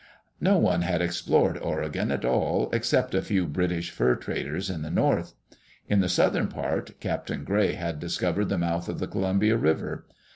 No one had explored Oregon at all, except a few British fur traders in the north. In the southern part. Captain Gray had discovered the mouth of the Columbia River.